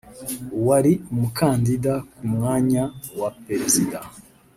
wari umukandida ku mwanya wa perezida